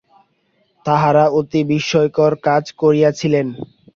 তাঁহারা অতি বিস্ময়কর কাজ করিয়াছিলেন।